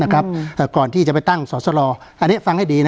การแสดงความคิดเห็น